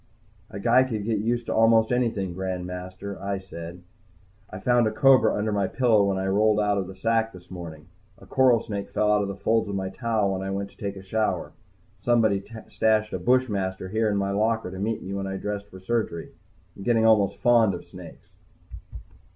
"A guy could get used to almost anything, Grand Master," I said. "I found a cobra under my pillow when I rolled out of the sack this morning. A coral snake fell out of the folds of my towel when I went to take a shower. Somebody stashed a bushmaster here in my locker to meet me when I dressed for surgery. I'm getting almost fond of snakes."